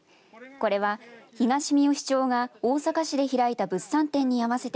これは、東みよし町が大阪市で開いた物産展に合わせて